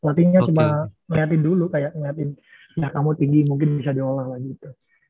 pelatihnya cuma ngeliatin dulu kayak ngeliatin ya kamu tinggi mungkin bisa diolah gitu